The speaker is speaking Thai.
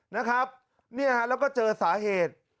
นะครับเนี่ยฮะแล้วก็เจอสาเหตุ